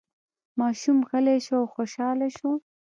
ماشوم غلی شو او خوشحاله شو.